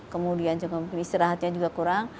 kemudian juga istirahatnya juga kurang